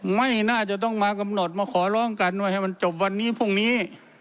ไม่น่าจะต้องมากำหนดมาขอร้องกันว่าให้มันจบวันนี้พรุ่งนี้